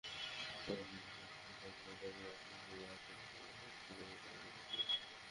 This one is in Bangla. আমার সামনে দাঁড়িয়ে আছে বাংলাদেশ গণিত অলিম্পিয়াডের সবচেয়ে পুরোনো স্বেচ্ছাসেবক আয়ুব সরকার।